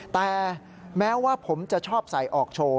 แต่แม้ว่าผมจะชอบใส่ออกโชว์